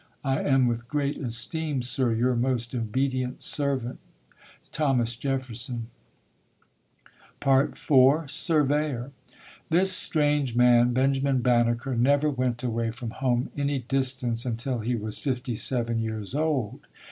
I am with great esteem, Sir, Your most obedient servant, THOS. JEFFERSON IV SURVEYOR This strange man, Benjamin Banneker, never went away from home any distance until he was fifty seven years old.